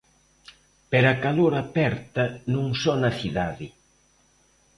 Pero a calor aperta non só na cidade.